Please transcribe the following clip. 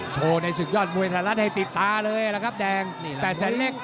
โชว์ให้สุดยอดมวยทนรัฐให้ติดตาเลยแหละครับแดงแปดแสนเล็ก